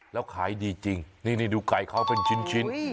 แล้วขายดีจริงนี่ดูไก่เขาเป็นชิ้น